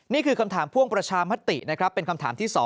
นี่คือคำถามพ่วงประชามตินะครับเป็นคำถามที่๒